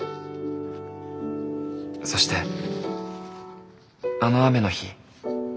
「そしてあの雨の日」。